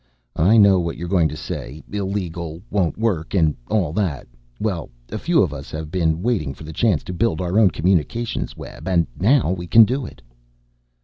"I know what you're going to say illegal, won't work and all that. Well, a few of us have been waiting for the chance to build our own communication web and now we can do it."